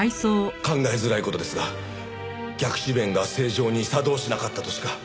考えづらい事ですが逆止弁が正常に作動しなかったとしか。